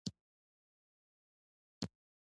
رنګین، رنګین ګلونه سي